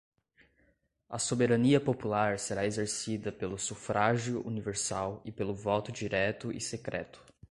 A soberania popular será exercida pelo sufrágio universal e pelo voto direto e secreto